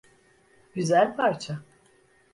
Güzel parça.